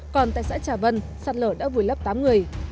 còn tại xã trà vân sạt lở đã vùi lấp tám người